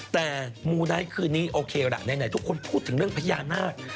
แต่มูไนท์คืนนี้โอเคล่ะไหนทุกคนพูดถึงเรื่องพญานาค